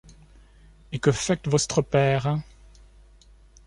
Et que faict vostre père?